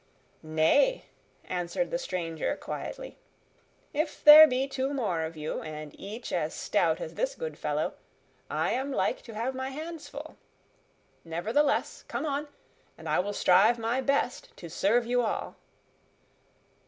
"Nay," answered the stranger quietly, "if there be two more of you, and each as stout as this good fellow, I am like to have my hands full. Nevertheless, come on, and I will strive my best to serve you all."